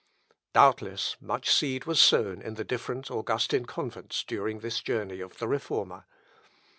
Doubtless, much seed was sown in the different Augustin convents during this journey of the Reformer.